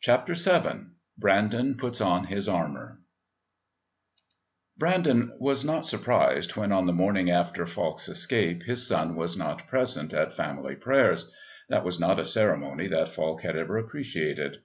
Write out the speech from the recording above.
Chapter VII Brandon Puts on His Armour Brandon was not surprised when, on the morning after Falk's escape, his son was not present at family prayers. That was not a ceremony that Falk had ever appreciated.